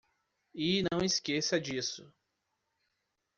E não esqueça disso.